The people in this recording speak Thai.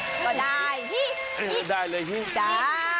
ฮิ๊กก็ได้ฮิ๊กฮิ๊กฮิ๊กฮิ๊กฮิ๊กฮิ๊กฮิ๊กฮิ๊กฮิ๊ก